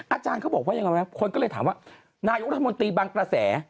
อาจารย์เขาบอกว่าอย่างไรนะคนก็เลยถามว่านายกว่าสมมติบังกระแส